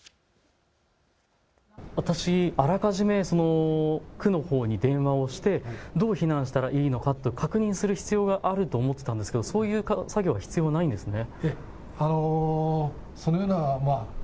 私、あらかじめ区のほうに電話をしてどう避難したらいいのか確認する必要があると思っていたんですけど、そういう作業は必要ないんですね。